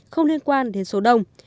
không liên quan đến số đồng